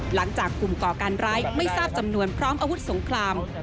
หลังจากกลุ่มก่อการร้ายไม่ทราบจำนวนพร้อมอาวุธสงคราม